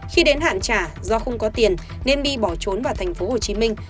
khi đến hạn trả do không có tiền nên my bỏ trốn vào thành phố hồ chí minh